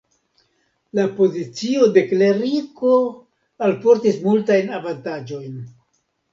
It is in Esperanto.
La pozicio de kleriko alportis multajn avantaĝojn.